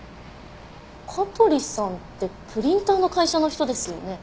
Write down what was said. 香取さんってプリンターの会社の人ですよね？